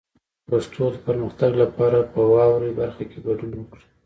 د پښتو پرمختګ لپاره په واورئ برخه کې ګډون وکړئ.